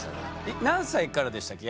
何歳からでしたっけ？